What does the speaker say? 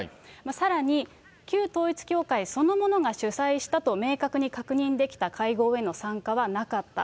さらに、旧統一教会そのものが主催したと明確に確認できた会合への参加はなかった。